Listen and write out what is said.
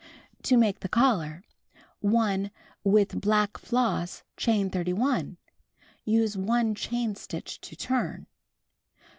To Make the Collar: 1. With black floss, chain 31. Use 1 chain stitch to turn.